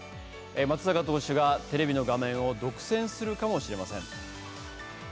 松坂投手がテレビの画面を独占するかもしれません。